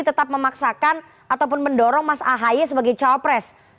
tetap memaksakan ataupun mendorong mas ahaye sebagai cawapres